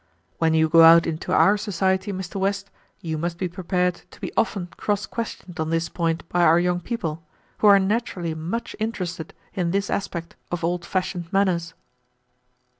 When you go out into our society, Mr. West, you must be prepared to be often cross questioned on this point by our young people, who are naturally much interested in this aspect of old fashioned manners."